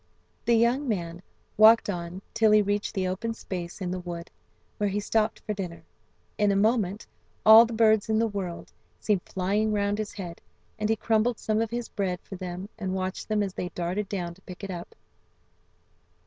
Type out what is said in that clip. The young man walked on till he reached the open space in the wood, where he stopped for dinner. In a moment all the birds in the world seemed flying round his head, and he crumbled some of his bread for them and watched them as they darted down to pick it up.